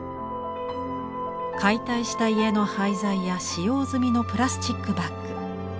解体した家の廃材や使用済みのプラスチックバッグ。